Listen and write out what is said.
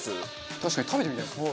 確かに食べてみたいですね。